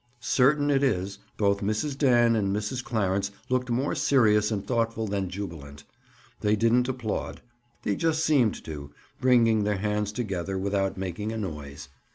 Certain it is, both Mrs. Dan and Mrs. Clarence looked more serious and thoughtful than jubilant. They didn't applaud; they just seemed to, bringing their hands together without making a noise.